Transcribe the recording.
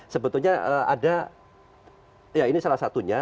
sebetulnya ada ya ini salah satunya